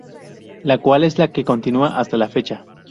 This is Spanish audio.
La cual es la que continua hasta la fecha.